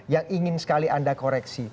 yang ingin sekali anda koreksi